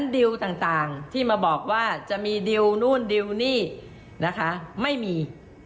ดิวต่างที่มาบอกว่าจะมีดิวนู่นดิวนี่นะคะไม่มี